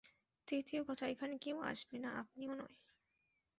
তৃতীয় কথা, এখানে কেউ আসবে না আপনিও নয়।